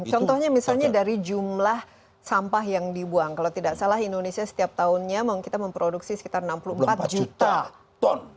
contohnya misalnya dari jumlah sampah yang dibuang kalau tidak salah indonesia setiap tahunnya kita memproduksi sekitar enam puluh empat juta ton